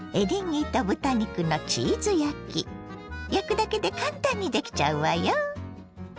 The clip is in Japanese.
焼くだけで簡単にできちゃうわよ。